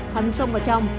hắn xông vào trong